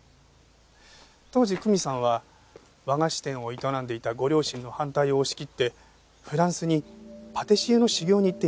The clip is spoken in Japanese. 当時久美さんは和菓子店を営んでいたご両親の反対を押し切ってフランスにパティシエの修業に行っていました。